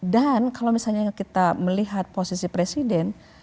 dan kalau misalnya kita melihat posisi presiden